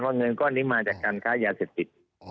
เงินก้อนนี้มาจากการค้ายาเสพติด